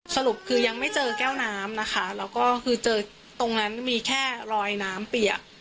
สรุปคือยังไม่เจอแก้วน้ำนะคะแล้วก็คือเจอตรงนั้นมีแค่รอยน้ำเปียก